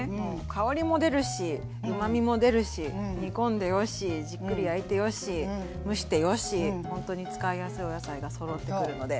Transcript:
香りも出るしうまみも出るし煮込んでよしじっくり焼いてよし蒸してよしほんとに使いやすいお野菜がそろってくるので。